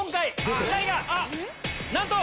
なんと！